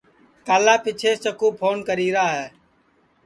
کالا پیچھیںٚس چکُو پھون کری را ہے